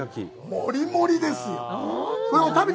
もりもりですよ。